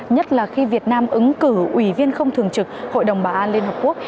nhất là khi việt nam ứng cử ủy viên không thường trực hội đồng bảo an liên hợp quốc